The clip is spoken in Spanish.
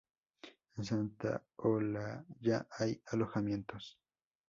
En Santa Olalla hay alojamientos.